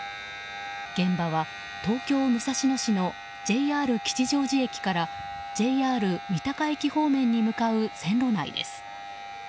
現場は東京・武蔵野市のＪＲ吉祥寺駅からＪＲ三鷹駅方面に向かう線路内です。